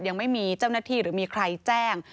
ยังไม่มีเจ้าหน้าที่หรือมีใครแจ้ง